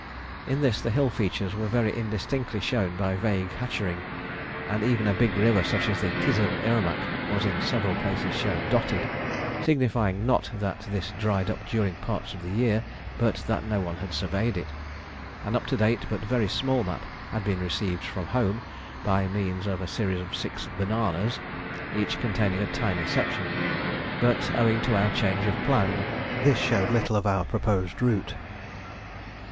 In this the hill features were very indistinctly shown by vague hachuring, and even a big river such as the Kizil Irmak was in several places shown dotted, signifying not that this dried up during parts of the year, but that no one had surveyed it. An up to date but very small map had been received from home by means of a series of six "bananas," each containing a tiny section; but, owing to our change of plan, this showed little of our proposed route.